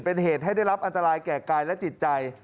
เป็นเหตุให้ได้รับอันตรายแก่กายและจิตใจ